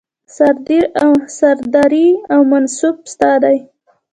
سرداري او منصب ستا دی